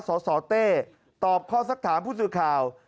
สสเต้ตอบข้อสักถามผู้สื่อข่าว